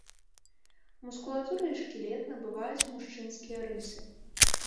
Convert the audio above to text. Мускулатура і шкілет набываюць мужчынскія рысы.